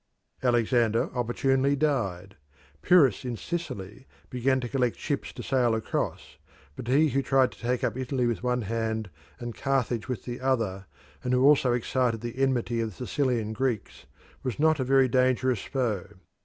Alexander opportunely died. Pyrrhus in Sicily began to collect ships to sail across, but he who tried to take up Italy with one hand and Carthage with the other, and who also excited the enmity of the Sicilian Greeks, was not a very dangerous foe.